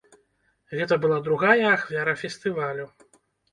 Гэта была другая ахвяра фестывалю.